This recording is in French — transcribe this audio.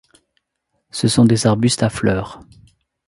Ce sont des arbustes à fleurs.